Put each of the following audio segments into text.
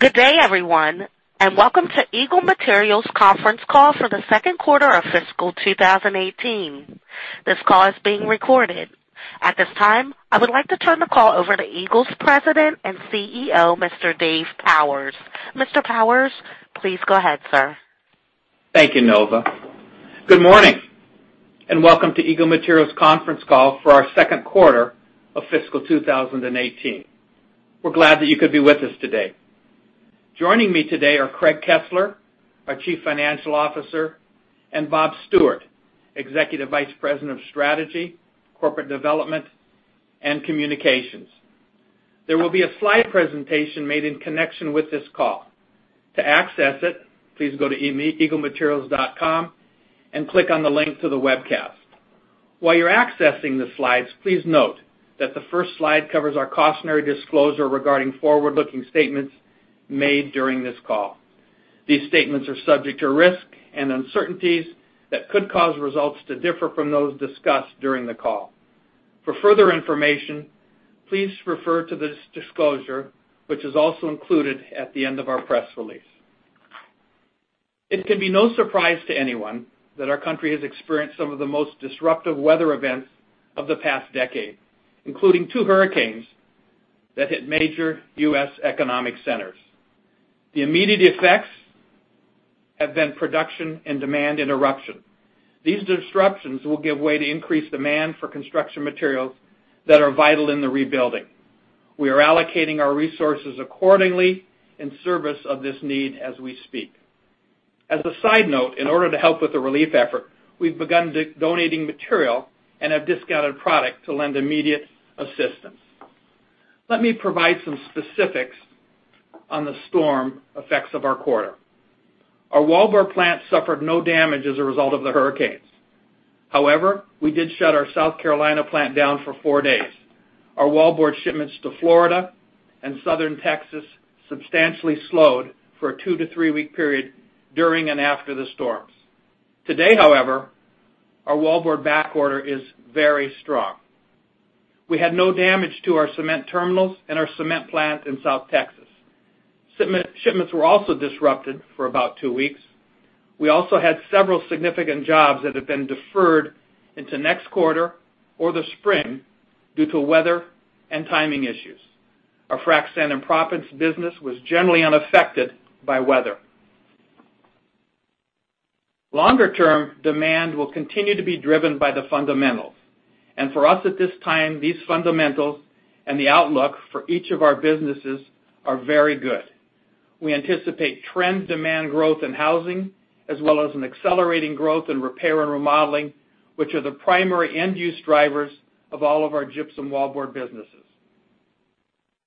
Good day, everyone, and welcome to Eagle Materials conference call for the second quarter of fiscal 2018. This call is being recorded. At this time, I would like to turn the call over to Eagle's President and CEO, Mr. Dave Powers. Mr. Powers, please go ahead, sir. Thank you, Nova. Good morning, welcome to Eagle Materials conference call for our second quarter of fiscal 2018. We're glad that you could be with us today. Joining me today are Craig Kesler, our Chief Financial Officer, and Bob Stewart, Executive Vice President of Strategy, Corporate Development, and Communications. There will be a slide presentation made in connection with this call. To access it, please go to eaglematerials.com and click on the link to the webcast. While you're accessing the slides, please note that the first slide covers our cautionary disclosure regarding forward-looking statements made during this call. These statements are subject to risks and uncertainties that could cause results to differ from those discussed during the call. For further information, please refer to this disclosure, which is also included at the end of our press release. It can be no surprise to anyone that our country has experienced some of the most disruptive weather events of the past decade, including two hurricanes that hit major U.S. economic centers. The immediate effects have been production and demand interruption. These disruptions will give way to increased demand for construction materials that are vital in the rebuilding. We are allocating our resources accordingly in service of this need as we speak. As a side note, in order to help with the relief effort, we've begun donating material and have discounted product to lend immediate assistance. Let me provide some specifics on the storm effects of our quarter. Our wallboard plant suffered no damage as a result of the hurricanes. However, we did shut our South Carolina plant down for four days. Our wallboard shipments to Florida and southern Texas substantially slowed for a two-to-three-week period during and after the storms. Today, however, our wallboard backorder is very strong. We had no damage to our cement terminals and our cement plant in South Texas. Shipments were also disrupted for about two weeks. We also had several significant jobs that have been deferred into next quarter or the spring due to weather and timing issues. Our frac sand and proppants business was generally unaffected by weather. Longer-term demand will continue to be driven by the fundamentals. For us at this time, these fundamentals and the outlook for each of our businesses are very good. We anticipate trend demand growth in housing, as well as an accelerating growth in repair and remodeling, which are the primary end-use drivers of all of our gypsum wallboard businesses.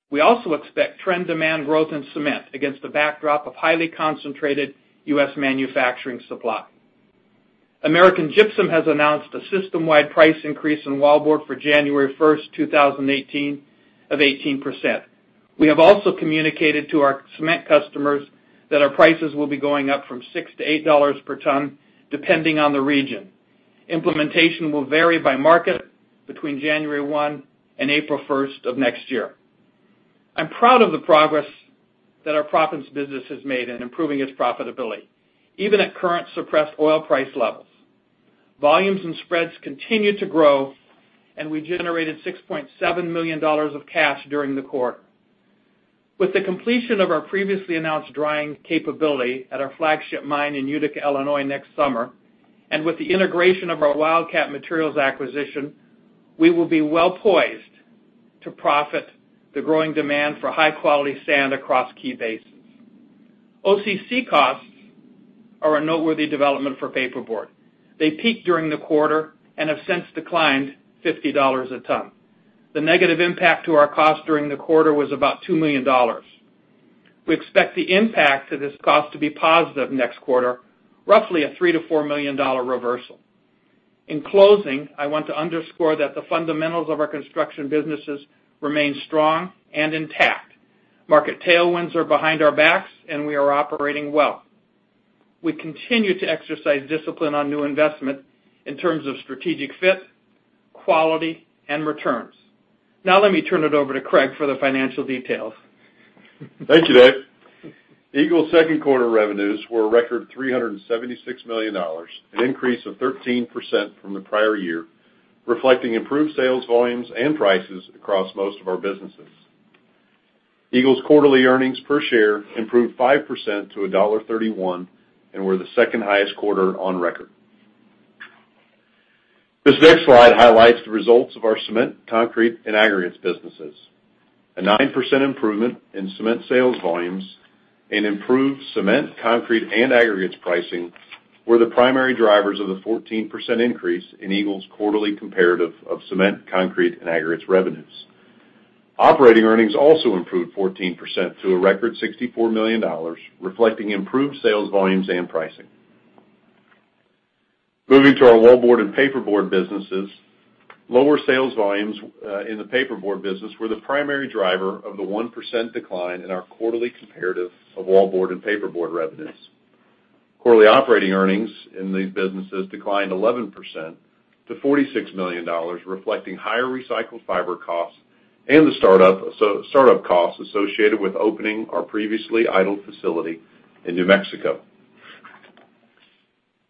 We also expect trend demand growth in cement against the backdrop of highly concentrated U.S. manufacturing supply. American Gypsum has announced a system-wide price increase in wallboard for January 1st, 2018 of 18%. We have also communicated to our cement customers that our prices will be going up from $6 to $8 per ton, depending on the region. Implementation will vary by market between January 1 and April 1st of next year. I'm proud of the progress that our proppants business has made in improving its profitability, even at current suppressed oil price levels. Volumes and spreads continue to grow, and we generated $6.7 million of cash during the quarter. With the completion of our previously announced drying capability at our flagship mine in Utica, Illinois next summer, and with the integration of our Wildcat Minerals acquisition, we will be well-poised to profit the growing demand for high-quality sand across key basins. OCC costs are a noteworthy development for paperboard. They peaked during the quarter and have since declined $50 a ton. The negative impact to our cost during the quarter was about $2 million. We expect the impact to this cost to be positive next quarter, roughly a $3 million to $4 million reversal. In closing, I want to underscore that the fundamentals of our construction businesses remain strong and intact. Market tailwinds are behind our backs, and we are operating well. We continue to exercise discipline on new investment in terms of strategic fit, quality, and returns. Now let me turn it over to Craig for the financial details. Thank you, Dave. Eagle's second quarter revenues were a record $376 million, an increase of 13% from the prior year, reflecting improved sales volumes and prices across most of our businesses. Eagle's quarterly earnings per share improved 5% to $1.31 and were the second-highest quarter on record. This next slide highlights the results of our cement, concrete, and aggregates businesses. A 9% improvement in cement sales volumes and improved cement, concrete, and aggregates pricing were the primary drivers of the 14% increase in Eagle's quarterly comparative of cement, concrete, and aggregates revenues. Operating earnings also improved 14% to a record $64 million, reflecting improved sales volumes and pricing. Moving to our wallboard and paperboard businesses, lower sales volumes in the paperboard business were the primary driver of the 1% decline in our quarterly comparative of wallboard and paperboard revenues. Quarterly operating earnings in these businesses declined 11% to $46 million, reflecting higher recycled fiber costs and the startup costs associated with opening our previously idle facility in New Mexico.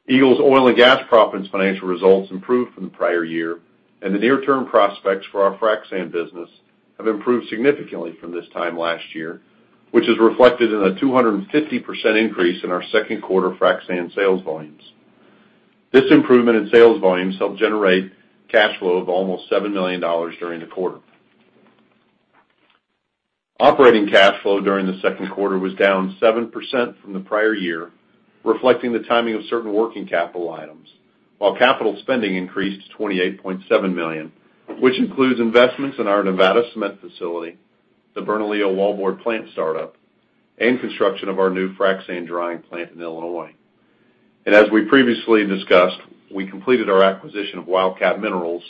Eagle's oil and gas proppants financial results improved from the prior year, and the near-term prospects for our frac sand business have improved significantly from this time last year, which is reflected in a 250% increase in our second quarter frac sand sales volumes. This improvement in sales volumes helped generate cash flow of almost $7 million during the quarter. Operating cash flow during the second quarter was down 7% from the prior year, reflecting the timing of certain working capital items, while capital spending increased to $28.7 million, which includes investments in our Nevada cement facility, the Bernalillo wallboard plant startup, and construction of our new frac sand drying plant in Illinois. As we previously discussed, we completed our acquisition of Wildcat Minerals,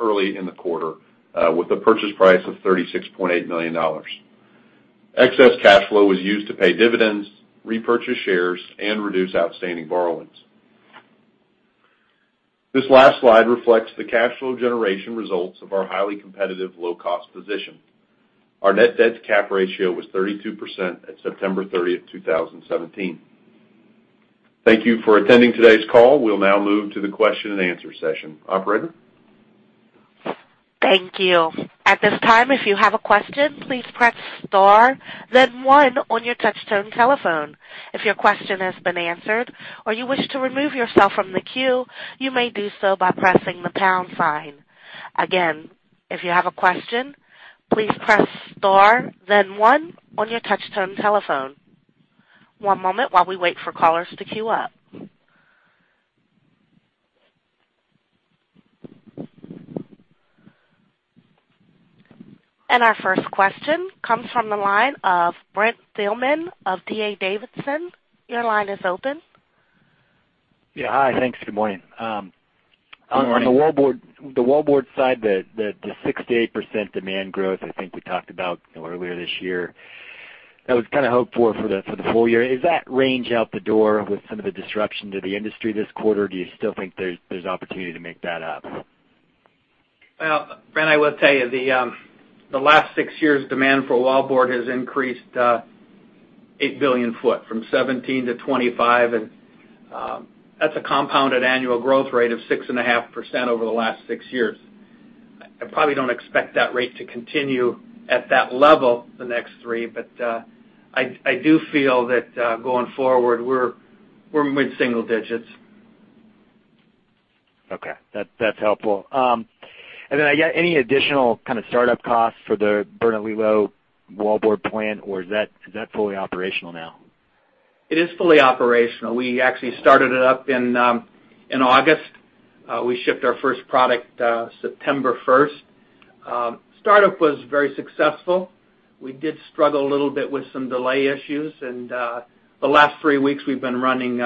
early in the quarter, with a purchase price of $36.8 million. Excess cash flow was used to pay dividends, repurchase shares, and reduce outstanding borrowings. This last slide reflects the cash flow generation results of our highly competitive low-cost position. Our net debt-to-cap ratio was 32% at September 30th, 2017. Thank you for attending today's call. We'll now move to the question-and-answer session. Operator? Thank you. At this time, if you have a question, please press star then one on your touchtone telephone. If your question has been answered or you wish to remove yourself from the queue, you may do so by pressing the pound sign. Again, if you have a question, please press star then one on your touchtone telephone. One moment while we wait for callers to queue up. Our first question comes from the line of Brent Thielman of D.A. Davidson. Your line is open. Yeah. Hi. Thanks. Good morning. Good morning. On the wallboard side, the 6%-8% demand growth I think we talked about earlier this year, that was kind of hoped for the full year. Is that range out the door with some of the disruption to the industry this quarter, or do you still think there's opportunity to make that up? Well, Brent, I will tell you, the last six years, demand for wallboard has increased 8 billion foot, from 17 to 25. That's a compounded annual growth rate of 6.5% over the last six years. I probably don't expect that rate to continue at that level the next three. I do feel that, going forward, we're mid-single digits. Okay. That's helpful. Then any additional kind of startup costs for the Bernalillo wallboard plant, or is that fully operational now? It is fully operational. We actually started it up in August. We shipped our first product September 1st. Startup was very successful. We did struggle a little bit with some delay issues. The last three weeks we've been running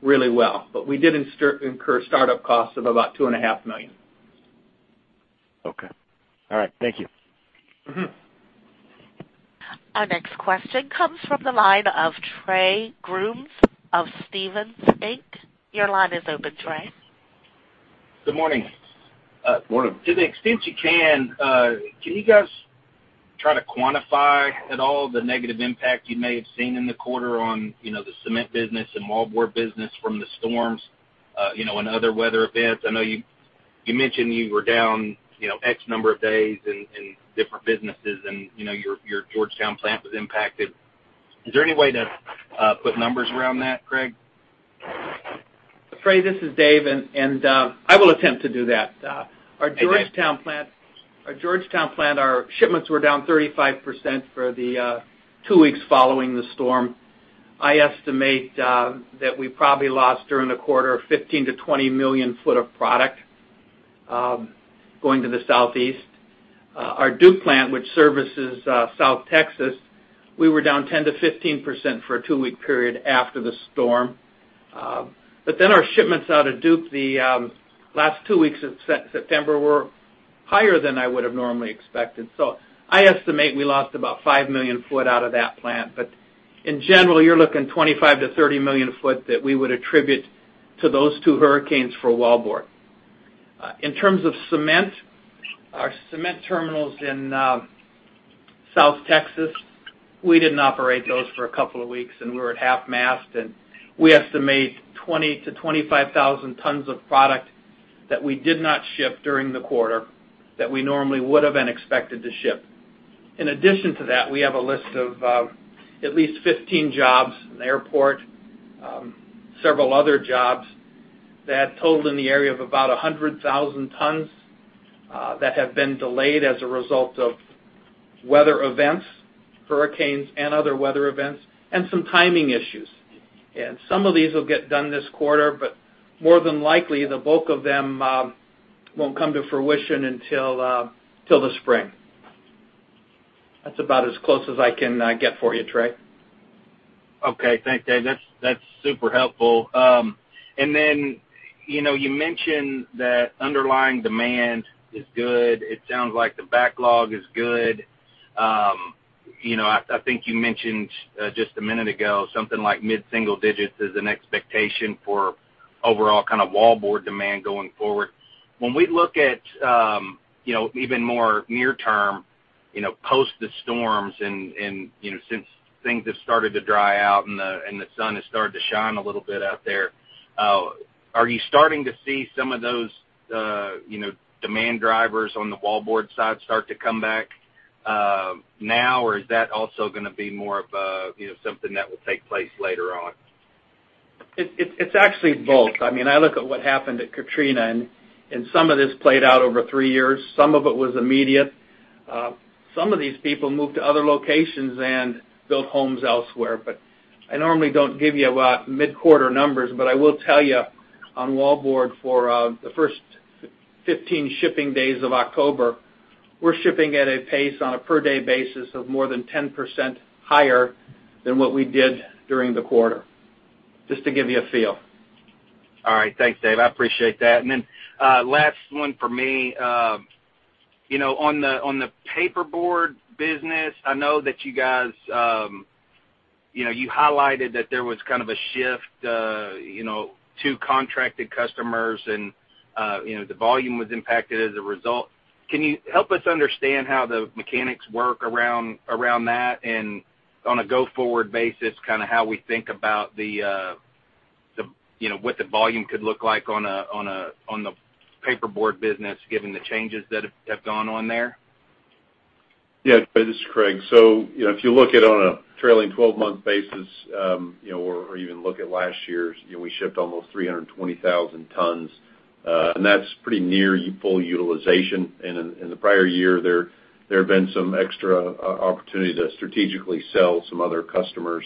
really well. We did incur startup costs of about $2.5 million. Okay. All right. Thank you. Our next question comes from the line of Trey Grooms of Stephens, Inc. Your line is open, Trey. Good morning. Morning. To the extent you can you guys try to quantify at all the negative impact you may have seen in the quarter on the cement business and wallboard business from the storms, and other weather events? I know you mentioned you were down X number of days in different businesses, your Georgetown plant was impacted. Is there any way to put numbers around that, Craig? Trey, this is Dave. I will attempt to do that. Hey, Dave. Our Georgetown plant, our shipments were down 35% for the two weeks following the storm. I estimate that we probably lost during the quarter 15-20 million foot of product going to the Southeast. Our Duke plant, which services South Texas, we were down 10%-15% for a two-week period after the storm. Our shipments out of Duke the last two weeks of September were higher than I would have normally expected. I estimate we lost about 5 million foot out of that plant. In general, you're looking 25-30 million foot that we would attribute to those two hurricanes for wallboard. In terms of cement, our cement terminals in South Texas, we didn't operate those for a couple of weeks, and we were at half-mast, and we estimate 20,000-25,000 tons of product that we did not ship during the quarter that we normally would've and expected to ship. In addition to that, we have a list of at least 15 jobs, an airport, several other jobs that totaled in the area of about 100,000 tons, that have been delayed as a result of weather events, hurricanes and other weather events, and some timing issues. Some of these will get done this quarter, but more than likely, the bulk of them won't come to fruition until the spring. That's about as close as I can get for you, Trey. Okay. Thanks, Dave. That's super helpful. You mentioned that underlying demand is good. It sounds like the backlog is good. I think you mentioned just a minute ago, something like mid-single digits is an expectation for overall kind of wallboard demand going forward. When we look at even more near term, post the storms and since things have started to dry out and the sun has started to shine a little bit out there, are you starting to see some of those demand drivers on the wallboard side start to come back now or is that also going to be more of something that will take place later on? It's actually both. I look at what happened at Katrina, and some of this played out over three years. Some of it was immediate. Some of these people moved to other locations and built homes elsewhere. I normally don't give you mid-quarter numbers, but I will tell you on wallboard for the first 15 shipping days of October, we're shipping at a pace on a per-day basis of more than 10% higher than what we did during the quarter, just to give you a feel. All right. Thanks, Dave. I appreciate that. Last one for me. On the paperboard business, I know that you guys highlighted that there was kind of a shift to contracted customers and the volume was impacted as a result. Can you help us understand how the mechanics work around that and on a go-forward basis, kind of how we think about what the volume could look like on the paperboard business given the changes that have gone on there? Yeah. This is Craig. If you look at on a trailing 12-month basis or even look at last year's, we shipped almost 320,000 tons. That's pretty near full utilization. In the prior year, there have been some extra opportunity to strategically sell some other customers.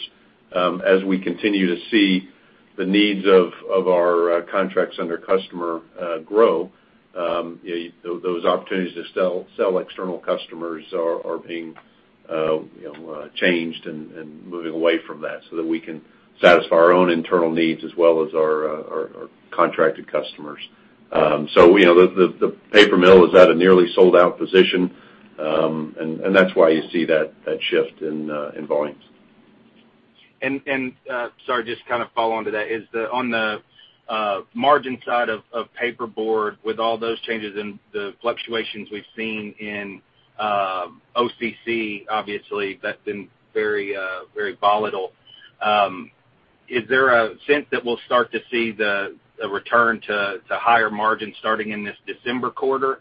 As we continue to see the needs of our contracts under customer grow, those opportunities to sell external customers are being changed and moving away from that so that we can satisfy our own internal needs as well as our contracted customers. The paper mill is at a nearly sold-out position, and that's why you see that shift in volumes. Sorry, just kind of follow on to that. On the margin side of paperboard, with all those changes and the fluctuations we've seen in OCC, obviously that's been very volatile. Is there a sense that we'll start to see the return to higher margins starting in this December quarter?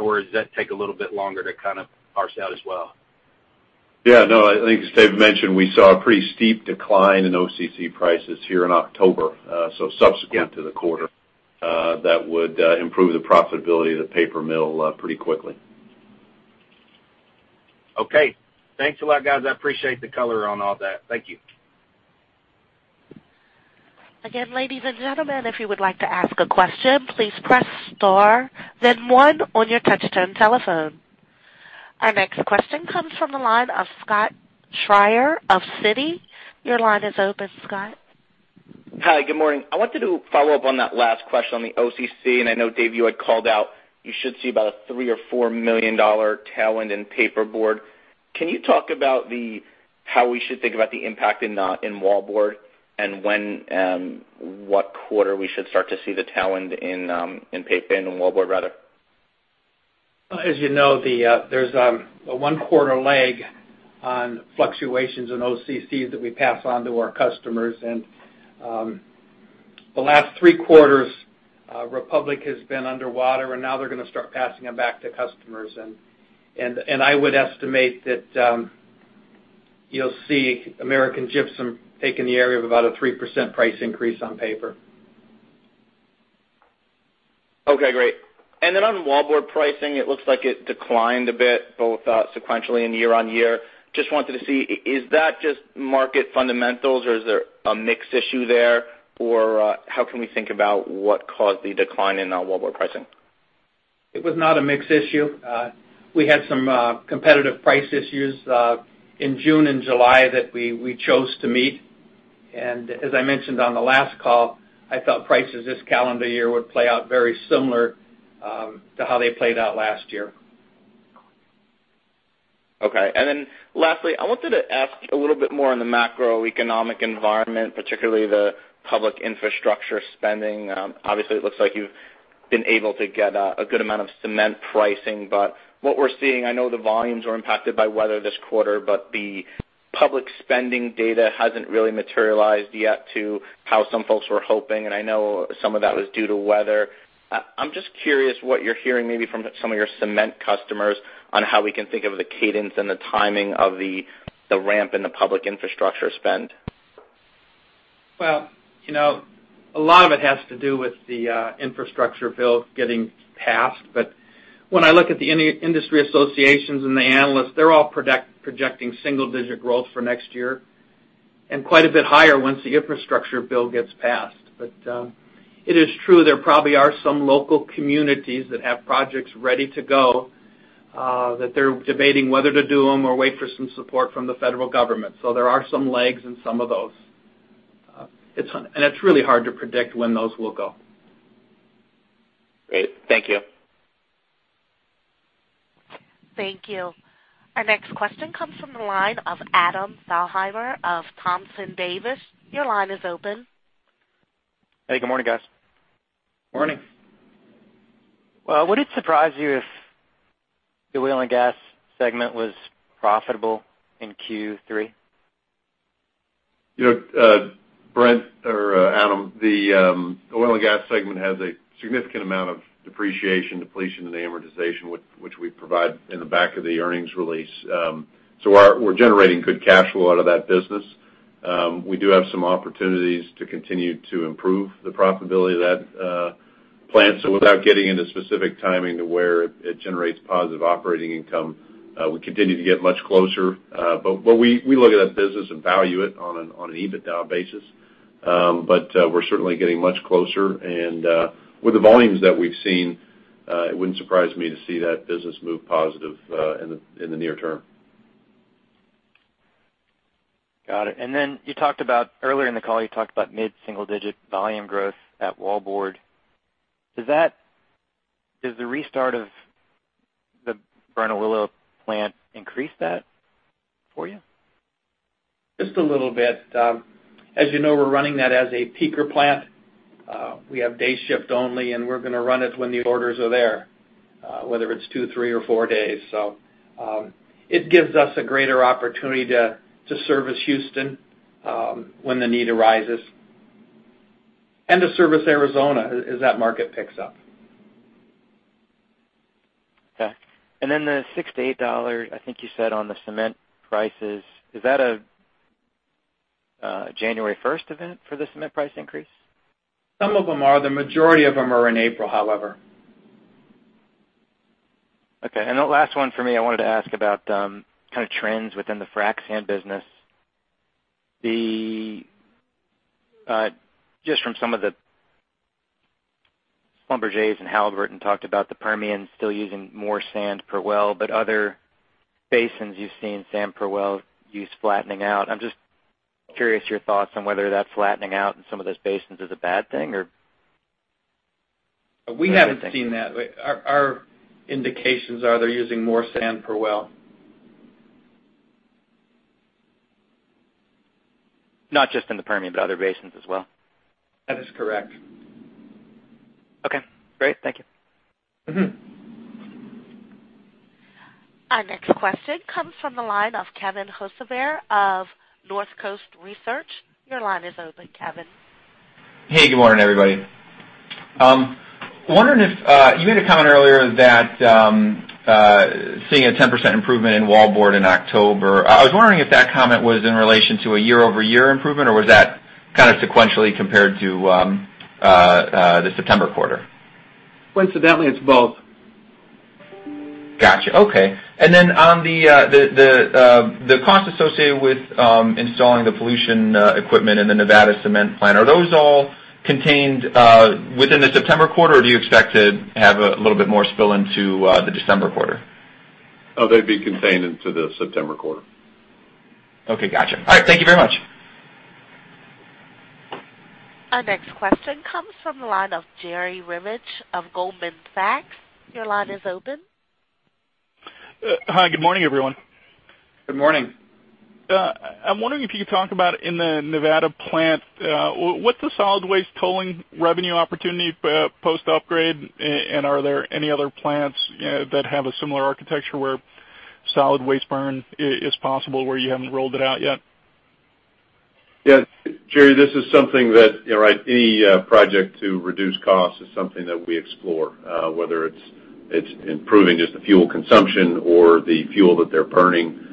Or does that take a little bit longer to kind of parse out as well? Yeah, no, I think as Dave mentioned, we saw a pretty steep decline in OCC prices here in October. Subsequent to the quarter that would improve the profitability of the paper mill pretty quickly. Okay. Thanks a lot, guys. I appreciate the color on all that. Thank you. Again, ladies and gentlemen, if you would like to ask a question, please press star one on your touch-tone telephone. Our next question comes from the line of Scott Schrier of Citi. Your line is open, Scott. Hi, good morning. I wanted to follow up on that last question on the OCC. I know Dave you had called out you should see about a $3 million or $4 million tailwind in paperboard. Can you talk about how we should think about the impact in wallboard and what quarter we should start to see the tailwind in wallboard? As you know, there's a one-quarter lag on fluctuations in OCC that we pass on to our customers. The last three quarters Republic has been underwater, and now they're going to start passing them back to customers. I would estimate that you'll see American Gypsum take in the area of about a 3% price increase on paper. Okay, great. On wallboard pricing, it looks like it declined a bit both sequentially and year-over-year. Just wanted to see, is that just market fundamentals or is there a mix issue there? How can we think about what caused the decline in wallboard pricing? It was not a mix issue. We had some competitive price issues in June and July that we chose to meet. As I mentioned on the last call, I thought prices this calendar year would play out very similar to how they played out last year. Lastly, I wanted to ask a little bit more on the macroeconomic environment, particularly the public infrastructure spending. Obviously, it looks like you've been able to get a good amount of cement pricing. What we're seeing, I know the volumes were impacted by weather this quarter. The public spending data hasn't really materialized yet to how some folks were hoping, and I know some of that was due to weather. I'm just curious what you're hearing maybe from some of your cement customers on how we can think of the cadence and the timing of the ramp in the public infrastructure spend. A lot of it has to do with the infrastructure bill getting passed. When I look at the industry associations and the analysts, they're all projecting single-digit growth for next year and quite a bit higher once the infrastructure bill gets passed. It is true there probably are some local communities that have projects ready to go that they're debating whether to do them or wait for some support from the federal government. There are some lags in some of those. It's really hard to predict when those will go. Great. Thank you. Thank you. Our next question comes from the line of Adam Thalhimer of Thompson Davis. Your line is open. Hey, good morning, guys. Morning. Would it surprise you if the oil and gas segment was profitable in Q3? Adam, the oil and gas segment has a significant amount of depreciation, depletion and amortization, which we provide in the back of the earnings release. We're generating good cash flow out of that business. We do have some opportunities to continue to improve the profitability of that plant. Without getting into specific timing to where it generates positive operating income, we continue to get much closer. We look at that business and value it on an EBITDA basis. We're certainly getting much closer, and with the volumes that we've seen, it wouldn't surprise me to see that business move positive in the near term. Got it. Earlier in the call, you talked about mid-single-digit volume growth at Wallboard. Does the restart of the Bernalillo plant increase that for you? Just a little bit. As you know, we're running that as a peaker plant. We have day shift only, and we're going to run it when the orders are there whether it's two, three, or four days. It gives us a greater opportunity to service Houston when the need arises and to service Arizona as that market picks up. Okay. The $68, I think you said on the cement prices, is that a January 1st event for the cement price increase? Some of them are. The majority of them are in April, however. Okay. The last one for me, I wanted to ask about trends within the frac sand business. Just from some of the Schlumberger's and Halliburton talked about the Permian still using more sand per well, but other basins you have seen sand per well use flattening out. I'm just curious your thoughts on whether that flattening out in some of those basins is a bad thing. We haven't seen that. Our indications are they're using more sand per well. Not just in the Permian, but other basins as well. That is correct. Okay, great. Thank you. Our next question comes from the line of Kevin Hocevar of North Coast Research. Your line is open, Kevin. Good morning, everybody. You made a comment earlier that seeing a 10% improvement in wallboard in October. I was wondering if that comment was in relation to a year-over-year improvement, or was that sequentially compared to the September quarter? Coincidentally, it's both. Got you. Okay. On the cost associated with installing the pollution equipment in the Nevada cement plant, are those all contained within the September quarter, or do you expect to have a little bit more spill into the December quarter? They'd be contained into the September quarter. Okay, got you. All right. Thank you very much. Our next question comes from the line of Jerry Revich of Goldman Sachs. Your line is open. Hi, good morning, everyone. Good morning. I'm wondering if you could talk about in the Nevada plant, what's the solid waste tolling revenue opportunity post upgrade. Are there any other plants that have a similar architecture where solid waste burn is possible, where you haven't rolled it out yet? Yeah. Jerry, this is something that any project to reduce costs is something that we explore whether it's improving just the fuel consumption or the fuel that they're burning.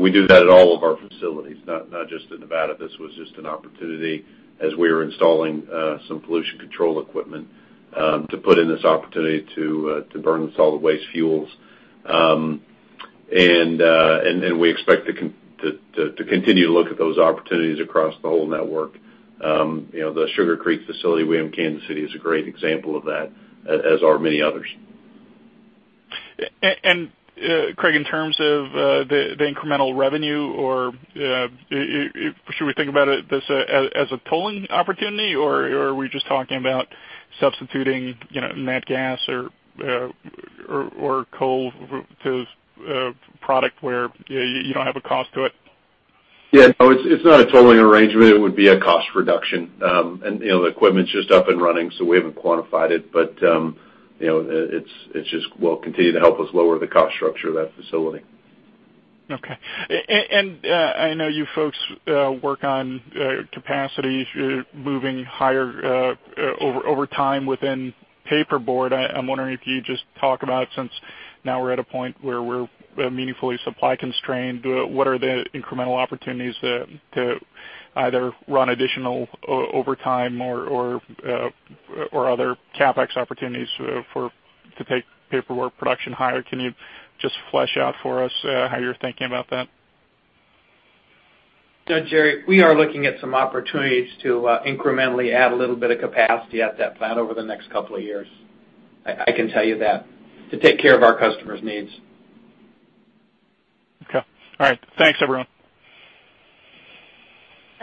We do that at all of our facilities, not just in Nevada. This was just an opportunity as we were installing some pollution control equipment to put in this opportunity to burn the solid waste fuels. We expect to continue to look at those opportunities across the whole network. The Sugar Creek facility we have in Kansas City is a great example of that, as are many others. Craig, in terms of the incremental revenue, should we think about this as a tolling opportunity, or are we just talking about substituting nat gas or coal to product where you don't have a cost to it? Yeah, no, it's not a tolling arrangement. It would be a cost reduction. The equipment's just up and running, so we haven't quantified it, but it just will continue to help us lower the cost structure of that facility. Okay. I know you folks work on capacity moving higher over time within paperboard. I'm wondering if you just talk about, since now we're at a point where we're meaningfully supply constrained, what are the incremental opportunities to either run additional overtime or other CapEx opportunities to take paperboard production higher? Can you just flesh out for us how you're thinking about that? Yeah, Jerry, we are looking at some opportunities to incrementally add a little bit of capacity at that plant over the next couple of years, I can tell you that, to take care of our customers' needs. Okay. All right. Thanks, everyone.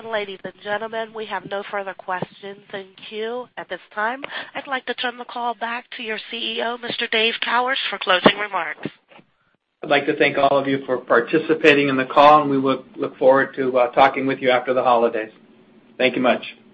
Ladies and gentlemen, we have no further questions in queue at this time. I'd like to turn the call back to your CEO, Mr. Dave Powers, for closing remarks. I'd like to thank all of you for participating in the call. We look forward to talking with you after the holidays. Thank you much.